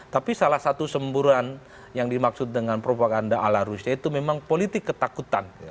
tapi salah satu semburan yang dimaksud dengan propaganda ala rusia itu memang politik ketakutan